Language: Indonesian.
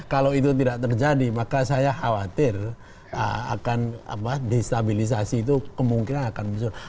kalau itu tidak terjadi maka saya khawatir akan destabilisasi itu kemungkinan akan muncul